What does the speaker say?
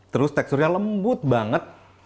terus teksturnya lembut banget